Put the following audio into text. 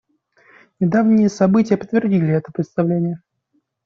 Недавние события подтвердили это представление.